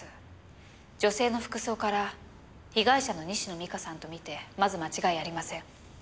女性の服装から被害者の西野実花さんと見てまず間違いありません。